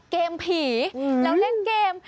ผีแล้วเล่นเกม